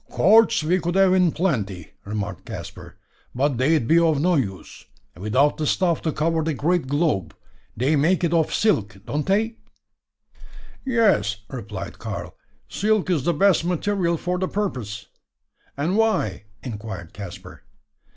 "Cords we could have in plenty," remarked Caspar, "but they'd be of no use, without the stuff to cover the great globe. They make it of silk, don't they?" "Yes," replied Karl, "silk is the best material for the purpose." "And why?" inquired Caspar.